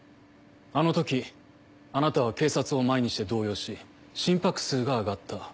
あの時あなたは警察を前にして動揺し心拍数が上がった。